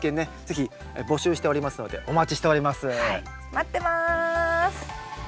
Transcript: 待ってます。